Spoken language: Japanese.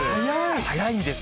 早いんです。